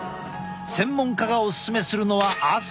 専門家がおすすめするのは朝。